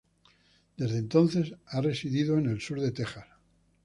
Desde entonces ha residido en el sur de Texas.